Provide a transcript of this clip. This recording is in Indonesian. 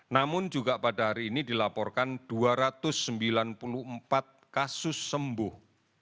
namun juga pada hari ini dilaporkan dua ratus sembilan puluh empat kasus sembuh